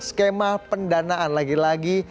skema pendanaan lagi lagi